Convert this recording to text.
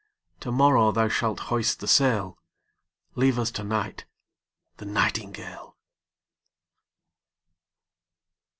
To morrow thou shalt hoist the sail; Leave us to night the nightingale.